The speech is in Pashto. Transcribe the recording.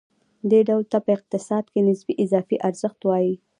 دې ډول ته په اقتصاد کې نسبي اضافي ارزښت وايي